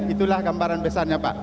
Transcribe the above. itulah gambaran besarnya pak